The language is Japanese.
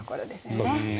そうですね。